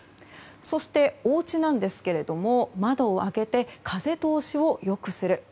そして、おうちなんですけども窓を開けて、風通しを良くする。